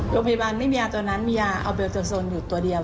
โรงพยาบาลไม่มียาตัวนั้นมียาอัลเบลโซนอยู่ตัวเดียว